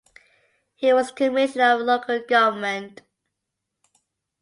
He was Commissioner of Local government.